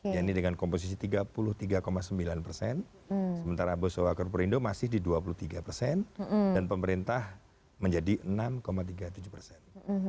yaitu dengan komposisi tiga puluh tiga sembilan persen sementara bosowa korporindo masih di dua puluh tiga persen dan pemerintah menjadi enam tiga puluh tujuh persen